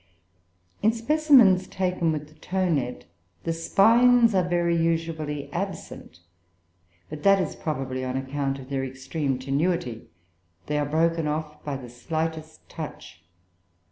"In specimens taken with the tow net the spines are very usually absent; but that is probably on account of their extreme tenuity; they are broken off by the slightest touch.